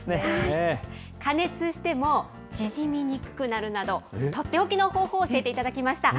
加熱しても、縮みにくくなるなど、取って置きの方法を教えていただきました。